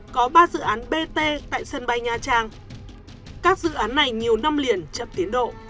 có ba dự án bt tại sân bay nha trang các dự án này nhiều năm liền chậm tiến độ